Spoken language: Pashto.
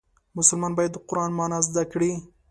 مسلمان باید د قرآن معنا زده کړي.